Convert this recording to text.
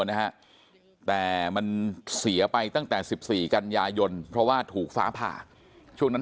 นะฮะแต่มันเสียไปตั้งแต่๑๔กันยายนเพราะว่าถูกฟ้าผ่าช่วงนั้น